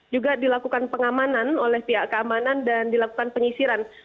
juga dilakukan pengamanan oleh pihak keamanan dan dilakukan penyisiran